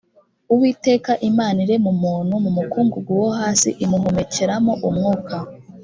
uwiteka imana irema umuntu mu mukungugu wo hasi imuhumekeramo umwuka